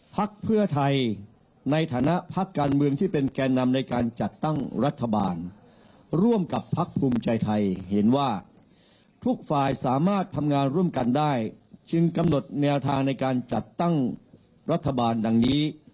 พักเพื่อไทยในฐานะพักการเมืองที่เป็นแก่นำในการจัดตั้งรัฐบาลร่วมกับพักภูมิใจไทยเห็นว่าทุกฝ่ายสามารถทำงานร่วมกันได้จึงกำหนดแนวทางในการจัดตั้งรัฐบาลดังนี้